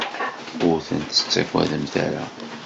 Ur tent-tettagademt ara.